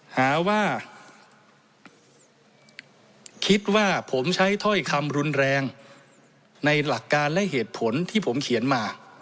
หาว่าคิดว่าผมใช้ถ้อยคำรุนแรงในหลักการและเหตุผลที่ผมเขียนมา